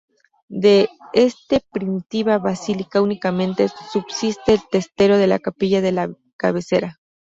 De este primitiva basílica únicamente subsiste el testero de la capilla de la cabecera.